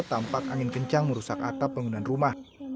tampak angin kencang merusak atap penggunaan rumah